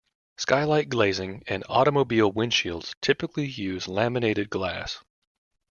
Skylight glazing and automobile windshields typically use laminated glass.